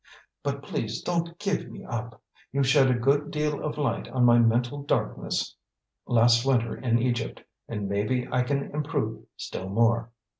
But please don't give me up. You shed a good deal of light on my mental darkness last winter in Egypt, and maybe I can improve still more."